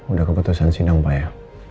udah keputusan sidang pak ya